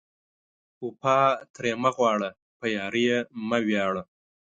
وفا ترې مه غواړه، په یارۍ یې مه ویاړه